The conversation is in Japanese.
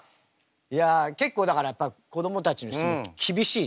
いや結構だからやっぱ子どもたちの質問厳しいね。